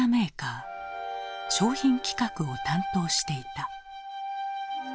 商品企画を担当していた。